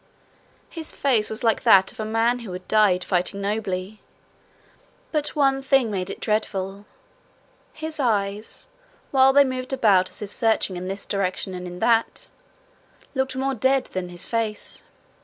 His face was like that of a man who had died fighting nobly; but one thing made it dreadful: his eyes, while they moved about as if searching in this direction and in that, looked more dead than his face.